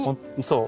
そう。